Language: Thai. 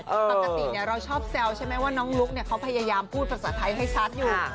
ปกติเราชอบแซวใช่ไหมว่าน้องลุ๊กเขาพยายามพูดภาษาไทยให้ชัดอยู่